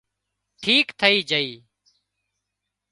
ٺيڪ ٿئي جھئي